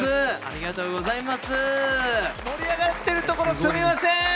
盛り上がっているところすみません。